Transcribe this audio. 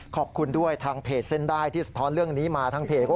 ขอบคุณด้วยทางเพจเส้นได้ที่สะท้อนเรื่องนี้มาทางเพจเขา